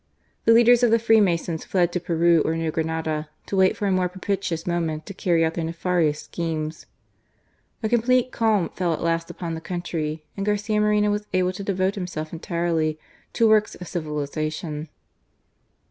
The leaders of the Free masons fled to Peru or New Granada, to wait for a more propitious moment to carry out their nefarious schemes. A complete calm fell at last upon the country, and Garcia Moreno was able to devote himself entirely to works of civilization.